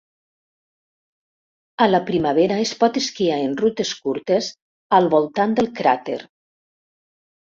A la primavera es pot esquiar en rutes curtes al voltant del cràter.